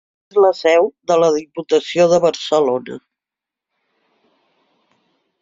És la seu de la Diputació de Barcelona.